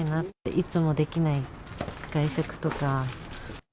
いつもできない外食とか。